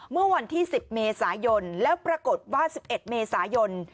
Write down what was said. เมื่อวันที่๑๐เมษายนแล้วปรากฏว่า๑๑เมษายน